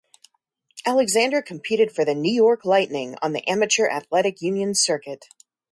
Alexander competed for the New York Lightning on the Amateur Athletic Union circuit.